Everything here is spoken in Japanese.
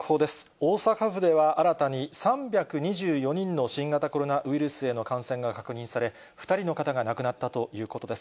大阪府では新たに、３２４人の新型コロナウイルスへの感染が確認され、２人の方が亡くなったということです。